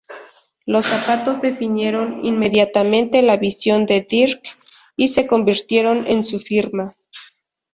Los zapatos definieron inmediatamente la visión de Dirk y se convirtieron en su firma.